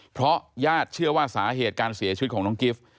เพราะญาติเชื่อว่าสาเหตุการเสียชีวิตของน้องกิฟต์